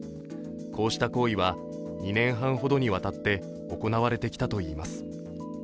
こうした行為は、２年半ほどにわたって行われてきたといいます。